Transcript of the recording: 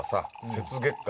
「雪月花」